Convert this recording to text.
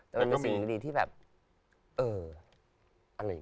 แต่มันเป็นสิ่งดีที่แบบเออ